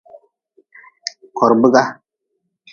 Korbiga.